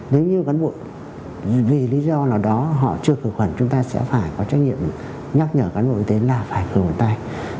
nếu như cán bộ vì lý do nào đó họ chưa khử khuẩn chúng ta sẽ phải có trách nhiệm nhắc nhở cán bộ y tế là phải cử một tay